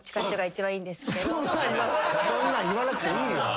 そんなん言わなくていいよ。